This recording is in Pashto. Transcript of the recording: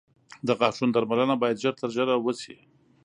• د غاښونو درملنه باید ژر تر ژره وشي.